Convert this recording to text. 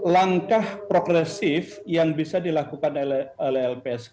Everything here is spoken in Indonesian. langkah progresif yang bisa dilakukan oleh lpsk